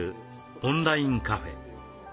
オンラインカフェ。